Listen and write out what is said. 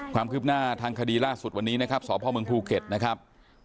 ความคืบหน้าทางคดีล่าสุดวันนี้นะครับสพเมืองภูเก็ตนะครับ